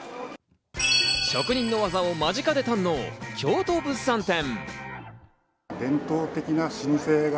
職人の技を間近で堪能、京都物産展。